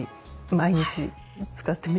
毎日？